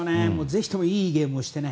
ぜひ、いいゲームをしてね。